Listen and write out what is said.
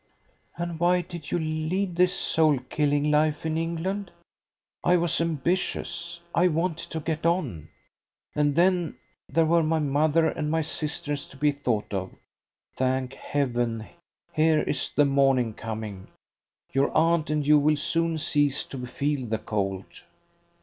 "And why did you lead this soul killing life in England?" "I was ambitious I wanted to get on. And then there were my mother and my sisters to be thought of. Thank Heaven, here is the morning coming. Your aunt and you will soon cease to feel the cold."